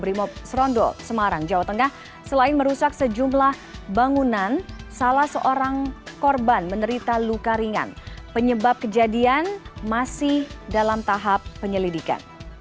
insiden terburuk terjadi pada seribu sembilan ratus delapan puluh empat di indonesia